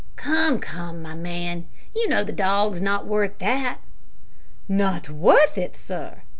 "Come, come, my man, you know the dog is not worth that." "Not worth it, sir!"